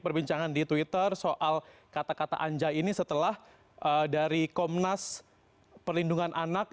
perbincangan di twitter soal kata kata anja ini setelah dari komnas perlindungan anak